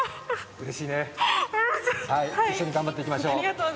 うれしいね、一緒に頑張っていきましょう。